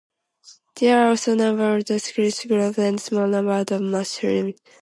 There are also numerous other Christian groups and small numbers of Muslims.